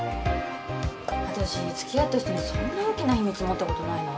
私付き合った人にそんな大きな秘密持ったことないな。